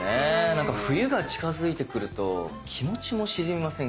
なんか冬が近づいてくると気持ちも沈みませんか？